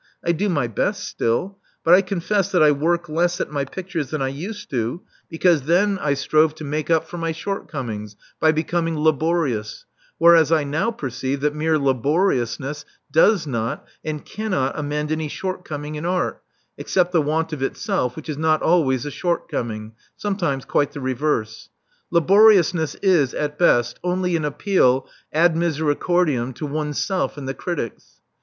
I do my best still ; but I confess that I work less at my pictures than I used to, because then I strove to Love Among the Artists 385 make up for my shortcomings by being laborious, where as I now perceive that mere laboriousness does not and cannot amend any shortcoming in art except the want of itself, which is not always a shortcoming — ^sometimes quite the reverse. Laboriousness is, at best, only an appeal ad miseracordiam to oneself and the critics.